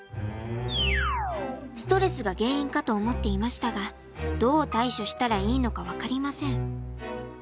ストレスが原因かと思っていましたがどう対処したらいいのか分かりません。